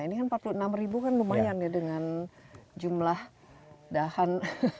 ini kan empat puluh enam ribu kan lumayan ya dengan jumlah dahan